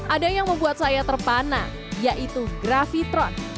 ada yang membuat saya terpana yaitu grafitron